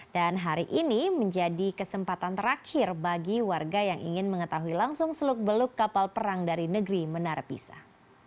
dan hari ini menjadi kesempatan terakhir bagi warga yang ingin mengetahui langsung seluk beluk kapal perang dari negeri menara pisah